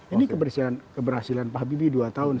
ini keberhasilan pak habibie dua tahun